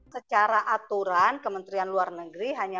secara aturan kementerian luar negeri hanya